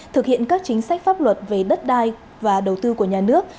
thực hiện các chính sách pháp luật về đất đai và đầu tư của nhà nước